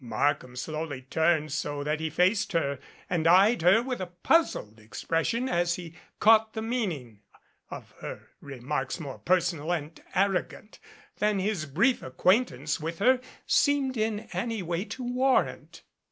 Markham slowly turned so that he faced her and eyed her with a puzzled expression as he caught the meaning of her remarks, more personal and arrogant than his brief acquaintance with her seemed in any way to warrant.